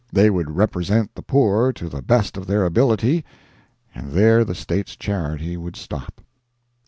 They would represent the "poor" to the best of their ability, and there the State's charity would stop.